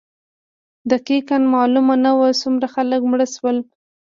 دقیقا معلوم نه وو څومره خلک مړه شول.